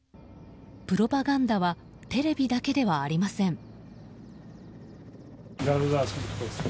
プロパガンダはテレビだけではありません。